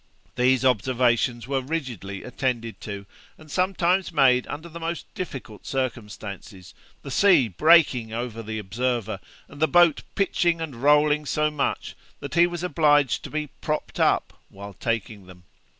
These observations were rigidly attended to, and sometimes made under the most difficult circumstances, the sea breaking over the observer, and the boat pitching and rolling so much, that he was obliged to be 'propped up,' while taking them.